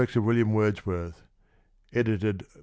s ot William Wordsworth (t>d.